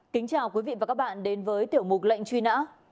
kính chào quý vị và các bạn đến với tiểu mục lệnh truy nã